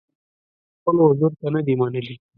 خپل حضور ته نه دي منلي.